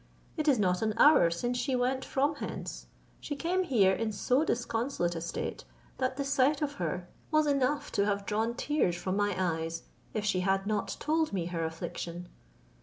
It is not an hour since she went from hence. She came here in so disconsolate a state, that the sight of her was enough to have drawn tears from my eyes, if she had not told me her affliction.